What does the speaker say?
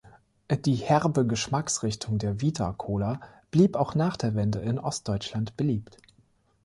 Die herbe Geschmacksrichtung der Vita Cola blieb auch nach der Wende in Ostdeutschland beliebt.